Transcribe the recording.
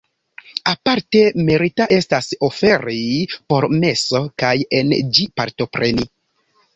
Aparte merita estas oferi por meso kaj en ĝi partopreni.